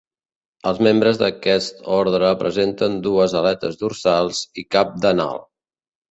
Els membres d'aquest ordre presenten dues aletes dorsals i cap d'anal.